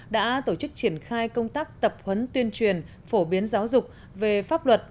đã tổ chức triển khai công tác tập huấn tuyên truyền phổ biến giáo dục về pháp luật